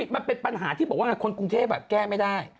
มันเป็นปัญหาที่บอกว่าคนกรุงเทพแก้ไม่ได้